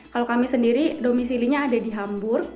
kalau kami sendiri domisilinya ada di hambur